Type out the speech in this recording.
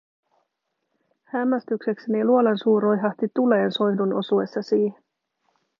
Hämmästyksekseni luolan suu roihahti tuleen soihdun osuessa siihen.